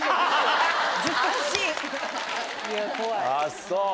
あっそう。